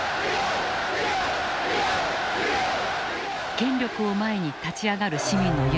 権力を前に立ち上がる市民の勇気は